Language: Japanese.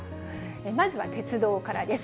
まずは鉄道からです。